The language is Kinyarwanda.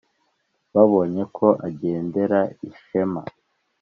Babonye ko agendera ishema,